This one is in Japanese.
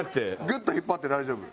グッと引っ張って大丈夫。